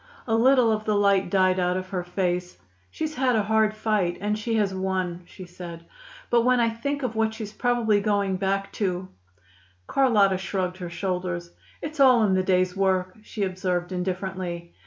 A little of the light died out of her face. "She's had a hard fight, and she has won," she said. "But when I think of what she's probably going back to " Carlotta shrugged her shoulders. "It's all in the day's work," she observed indifferently.